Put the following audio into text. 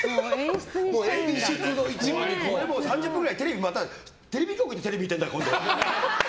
３０分くらい、テレビ局でテレビ見てるんだ、今度。